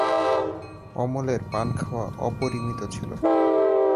অমলের পান খাওয়া অপরিমিত ছিল।